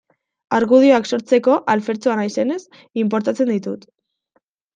Argudioak sortzeko alfertxoa naizenez, inportatzen ditut.